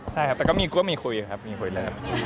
ใช่ครับแต่ก็มีคุยครับมีคุยแล้ว